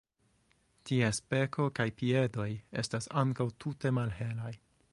Ties beko kaj piedoj estas ankaŭ tute malhelaj.